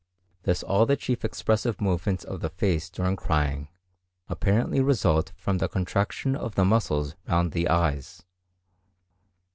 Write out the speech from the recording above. Thus all the chief expressive movements of the face during crying apparently result from the contraction of the muscles round the eyes.